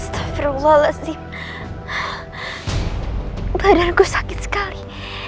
astagfirullahaladzim badanku sakit sekali